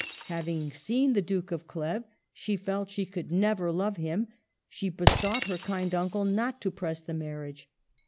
Hav ing seen the Duke of Cleves, she felt she could never love him ; she besought her kind uncle not to press the marriage.